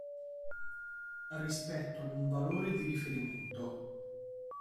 Rispetto ad un valore di riferimento.